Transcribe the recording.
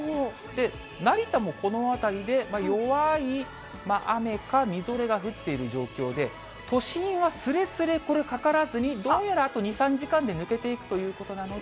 成田もこの辺りで弱い雨か、みぞれが降っている状況で、都心はすれすれ、これかからずに、どうやらあと２、３時間で抜けていくということなので。